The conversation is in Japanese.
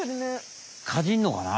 かじんのかな？